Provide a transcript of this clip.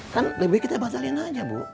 kan lebih kita batalin aja bu